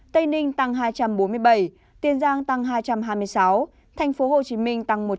tây ninh tăng hai trăm bốn mươi bảy tiền giang tăng hai trăm hai mươi sáu thành phố hồ chí minh tăng một trăm tám mươi